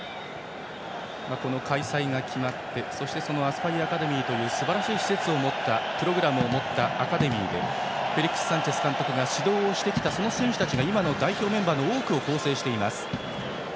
開催が決まってアスパイア・アカデミーというすばらしい施設とプログラムを持ったアカデミーでフェリックス・サンチェス監督が指導をしてきた選手たちが今の代表メンバーの多くを構成しています。